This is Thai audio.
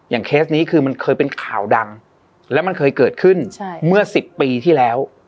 เคสนี้คือมันเคยเป็นข่าวดังแล้วมันเคยเกิดขึ้นเมื่อ๑๐ปีที่แล้ว